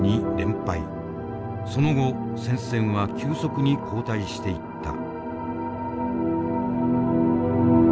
その後戦線は急速に後退していった。